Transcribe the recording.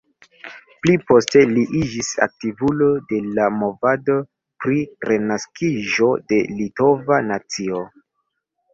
Pli poste li iĝis aktivulo de la movado pri renaskiĝo de litova nacio.